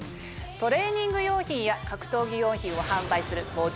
トレーニング用品や格闘技用品を販売する。